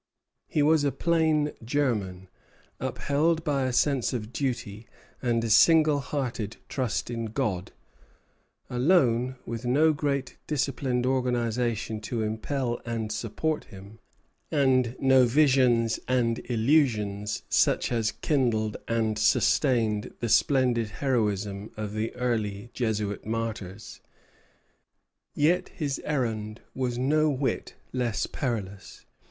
He was a plain German, upheld by a sense of duty and a single hearted trust in God; alone, with no great disciplined organization to impel and support him, and no visions and illusions such as kindled and sustained the splendid heroism of the early Jesuit martyrs. Yet his errand was no whit less perilous.